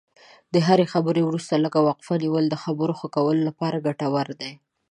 د هرې خبرې وروسته لږه وقفه نیول د خبرو ښه کولو لپاره ګټور دي.